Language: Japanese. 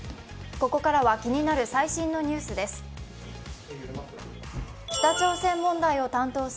ここからは気になる最新のニュースです。